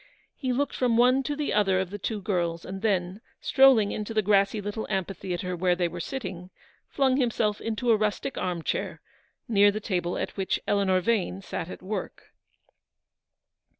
He looked from one to the other of the two girls, and then, strolling into the grassy little amphitheatre where they were sitting, flung himself into a rustic arm chair, near the table at which Eleanor Vane sat at work.